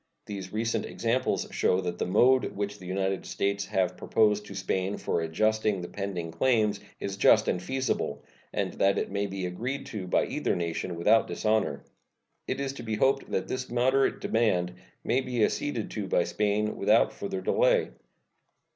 These recent examples show that the mode which the United States have proposed to Spain for adjusting the pending claims is just and feasible, and that it may be agreed to by either nation without dishonor. It is to be hoped that this moderate demand may be acceded to by Spain without further delay.